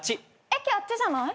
駅あっちじゃない？